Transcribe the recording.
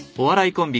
コンビの。